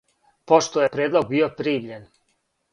Пошто је предлог био примљен